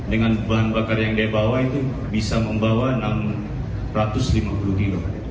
dengan bahan bakar yang dia bawa itu bisa membawa enam ratus lima puluh kilo